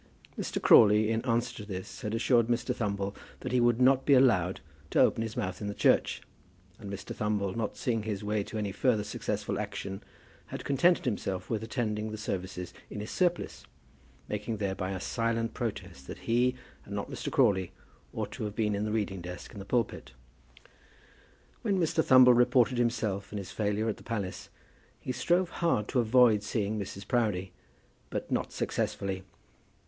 Mr. Crawley, in answer to this, had assured Mr. Thumble that he would not be allowed to open his mouth in the church; and Mr. Thumble, not seeing his way to any further successful action, had contented himself with attending the services in his surplice, making thereby a silent protest that he, and not Mr. Crawley, ought to have been in the reading desk and the pulpit. When Mr. Thumble reported himself and his failure at the palace, he strove hard to avoid seeing Mrs. Proudie, but not successfully.